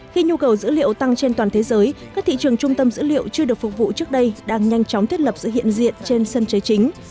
khi nhu cầu dữ liệu tăng trên toàn thế giới các thị trường trung tâm dữ liệu chưa được phục vụ trước đây đang nhanh chóng thiết lập sự hiện diện trên sân chế chính